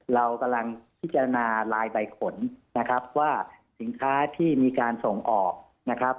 เรากำลังพิจารณาลายใบขนว่าสินค้าที่มีการส่งออก